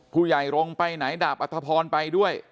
ผู้ใหญ่รงค์ไปไหนดาบอัธพรไปด้วย